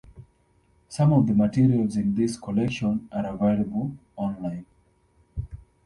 Some of the materials in this collection are available online.